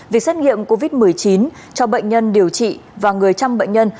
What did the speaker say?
việc xét nghiệm covid một mươi chín cho bệnh nhân điều trị và người chăm bệnh nhân